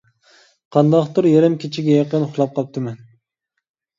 قانداقتۇر يېرىم كېچىگە يېقىن ئۇخلاپ قاپتىمەن.